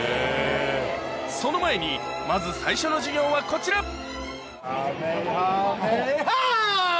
その前に、まず最初の授業はこちかめはめ波！